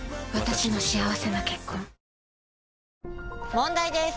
問題です！